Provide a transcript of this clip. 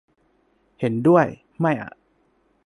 เห็นด้วย ไม่อ่ะ